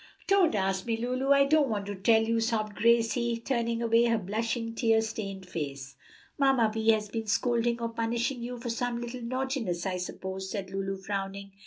"Don't ask me, Lulu, I don't want to tell you," sobbed Gracie, turning away her blushing, tear stained face. "Mamma Vi has been scolding or punishing you for some little naughtiness, I suppose," said Lulu, frowning.